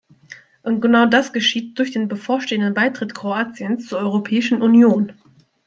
Und genau dies geschieht durch den bevorstehenden Beitritt Kroatiens zur Europäischen Union.